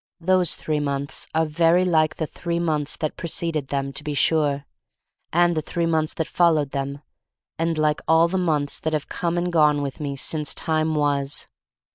Those three months are very like the three months that preceded them, to be sur^, and the three that followed them — and like all the months that have come and gone with me, since time was.